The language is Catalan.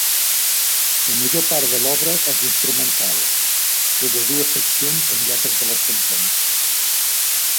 La major part de l'obra és instrumental, tret de dues seccions amb lletres de les cançons.